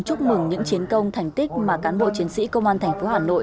chúc mừng những chiến công thành tích mà cán bộ chiến sĩ công an thành phố hà nội